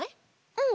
うん。